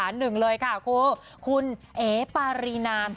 หนึ่งเลยค่ะคุณเอปารีนา